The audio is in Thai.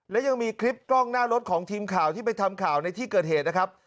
และยังมีคลิปกล้องหน้ารถของทีมข่าวที่ไปทำข่าวในที่เกิดเหตุนะครับ